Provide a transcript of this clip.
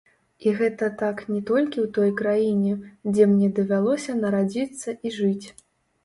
І гэта так не толькі ў той краіне, дзе мне давялося нарадзіцца і жыць.